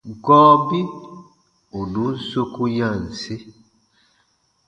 Gɔɔbi ù nùn soku yanse.